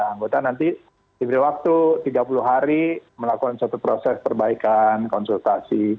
anggota nanti diberi waktu tiga puluh hari melakukan suatu proses perbaikan konsultasi